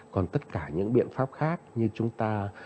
còn tất cả những biện pháp khác như chúng ta